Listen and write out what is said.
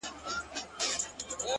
o چي بيا ترې ځان را خلاصولای نسم؛